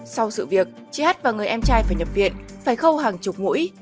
sau sự việc chị hát và người em trai phải nhập viện phải khâu hàng chục mũi